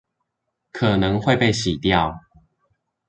可能會被洗掉